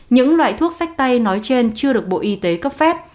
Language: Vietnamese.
những loại thuốc sách tay nói trên chưa được bộ y tế cấp phép